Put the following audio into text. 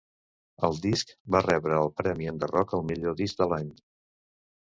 El disc va rebre el premi Enderroc al millor disc de l'any.